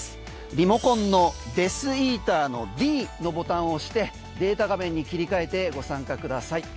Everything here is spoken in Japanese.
リモコンのデスイーターのｄのボタン押してデータ画面に切り替えてご参加ください。